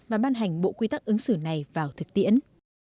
và ban hành bộ quy tắc ứng xử này vào thực tiễn